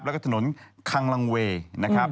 แล้วก็ถนนคังลังเวย์นะครับ